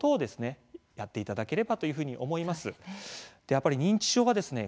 やっぱり認知症はですね